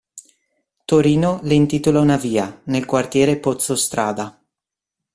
Torino le intitola una via, nel quartiere Pozzo Strada.